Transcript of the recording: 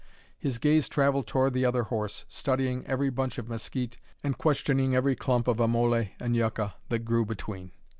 His gaze travelled toward the other horse, studying every bunch of mesquite and questioning every clump of amole and yucca that grew between.